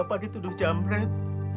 bapak dituduh camret